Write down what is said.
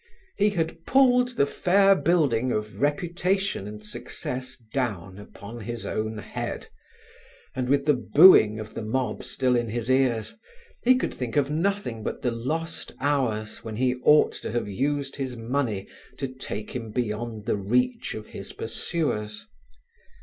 He had pulled the fair building of reputation and success down upon his own head, and, with the "booing" of the mob still in his ears, he could think of nothing but the lost hours when he ought to have used his money to take him beyond the reach of his pursuers.